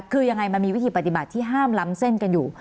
คือยังไงมันมีวิธีปฏิบัติที่ห้ามล้ำเส้นกันอยู่